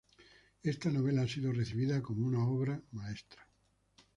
Este novela ha sido recibido como una obra de maestra.